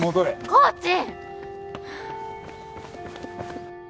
コーチ！